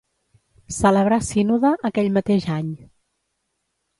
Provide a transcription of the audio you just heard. Celebrà sínode aquell mateix any.